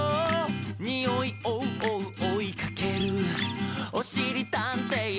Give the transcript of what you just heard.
「におい追う追う追いかける」「おしりたんてい